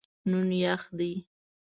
نن یخ دی